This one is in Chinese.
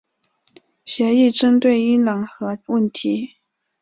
协议针对伊朗核问题。